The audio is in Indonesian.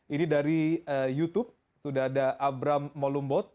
ini dari youtube sudah ada abram molumbot